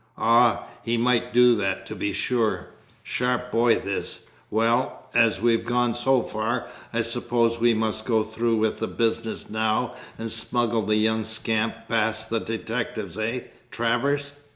"Ah, he might do that, to be sure sharp boy this well, as we've gone so far, I suppose we must go through with the business now and smuggle the young scamp past the detectives, eh, Travers?"